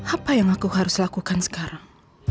apa yang aku harus lakukan sekarang